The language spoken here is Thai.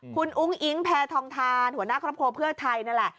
คุณอุ้งอิ๊งแพทองทานหัวหน้าครอบครัวเพื่อไทยนั่นแหละ